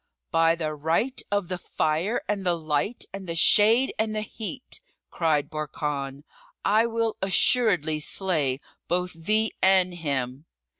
"By the right of the Fire and the Light and the Shade and the Heat," cried Barkan, "I will assuredly slay both thee and him!"